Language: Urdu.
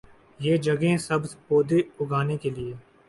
یہ جگہیں سبز پودے اگانے کے لئے